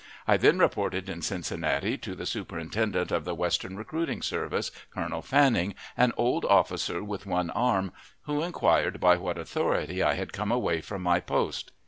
I then reported in Cincinnati, to the superintendent of the Western recruiting service, Colonel Fanning, an old officer with one arm, who inquired by what authority I had come away from my post.